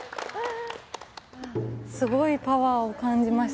すごいパワーを感じました